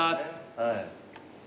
はい。